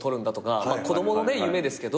子供の夢ですけど。